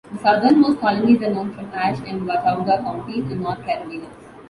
The southernmost colonies are known from Ashe and Watauga Counties in North Carolina.